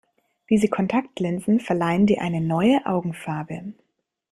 Diese Kontaktlinsen verleihen dir eine neue Augenfarbe.